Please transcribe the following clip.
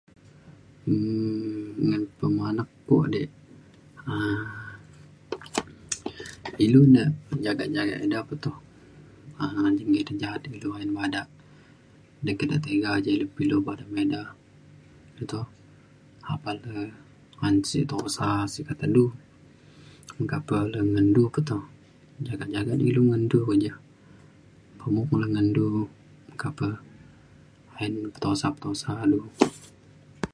um ngan pemanak ko de um ilu da jagak jagak ida pe toh um [unintelligible] ja’at de ilu bada de ke de tiga ja ilu me bada ngan ida pe toh apan le ban sek tusa sek ke te du. meka pe le ngen du ke toh jagak jagak ne ilu ngan du ke ja. mok kulu ngan du meka pe ayen petusa petusa du.